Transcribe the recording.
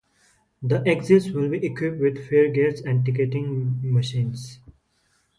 The exits will be equipped with fare gates and ticketing machines.